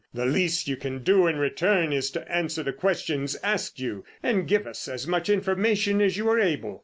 The least you can do in return is to answer the questions asked you, and give us as much information as you are able.